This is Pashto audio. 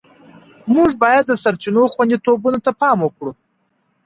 موږ باید د سرچینو خوندیتوب ته پام وکړو.